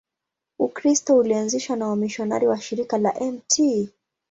Ukristo ulianzishwa na wamisionari wa Shirika la Mt.